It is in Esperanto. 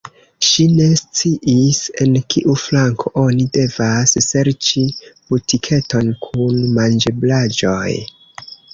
Ŝi ne sciis, en kiu flanko oni devas serĉi butiketon kun manĝeblaĵoj.